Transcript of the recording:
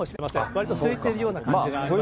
わりとすいているような感じですね。